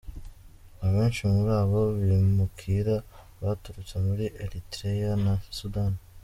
Abenshi muri abo bimukira baturutse muri Eritrea na Sudani.